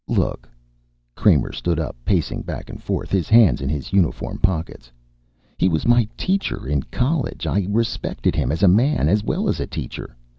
"Look." Kramer stood up, pacing back and forth, his hands in his uniform pockets. "He was my teacher in college. I respected him as a man, as well as a teacher.